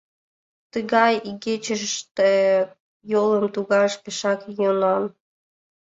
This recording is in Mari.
Тыгай игечыште йолым тугаш пешак йӧнан.